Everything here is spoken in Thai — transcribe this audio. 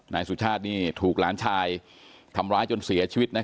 นายสุชาตินี่ถูกหลานชายทำร้ายจนเสียชีวิตนะ